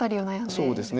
そうですね。